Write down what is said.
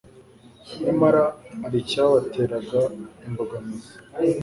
Nyamara hari icyabateraga imbogamizi.